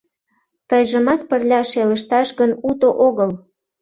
Тыйжымат пырля шелышташ гын, уто огыл.